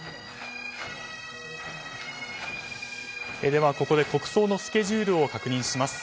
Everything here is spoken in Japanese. では、ここで国葬のスケジュールを確認します。